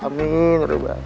semoga berjaya kak bu